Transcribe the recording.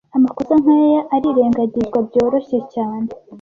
Amakosa nkaya arirengagizwa byoroshye cyane